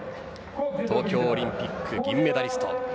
東京オリンピック銀メダリスト。